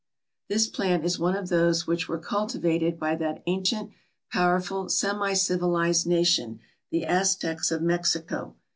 This plant is one of those which were cultivated by that ancient, powerful, semi civilized nation, the Aztecs of Mexico.